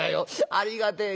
ありがてえ。